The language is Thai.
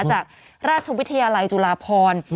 จากราชวิทยาลัยจุฬาพร